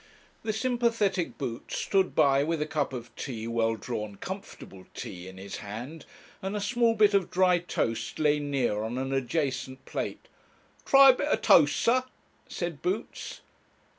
The sympathetic boots stood by with a cup of tea well drawn comfortable tea in his hand, and a small bit of dry toast lay near on an adjacent plate. 'Try a bit o' toast, sir,' said boots.